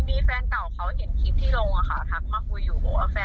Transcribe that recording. นี่แฟนเก่าเขาเห็นคลิปที่ลงอ่ะค่ะทักมาคุยอยู่